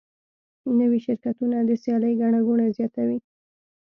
نوي شرکتونه د سیالۍ ګڼه ګوڼه زیاتوي.